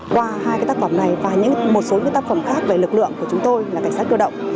qua hai tác phẩm này và một số tác phẩm khác về lực lượng của chúng tôi là cảnh sát cơ động